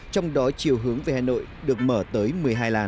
trong đó chiều hướng về hà nội được mở tới một mươi hai làng